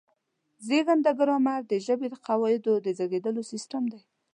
زېږنده ګرامر د ژبې د قواعدو د زېږولو سیستم دی.